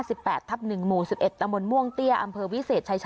แปดทับหนึ่งหมู่สิบเอ็ดตะมนต์ม่วงเตี้ยอำเภอวิเศษชายชา